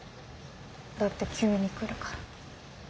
だって急に来るから。